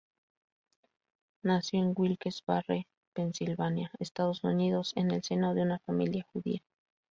Nació en Wilkes-Barre, Pensilvania, Estados Unidos, en el seno de una familia judía.